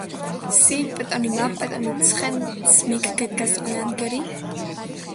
სი – პატონი მა – პატონი ცხენც მიქ გედგას ონანგერი?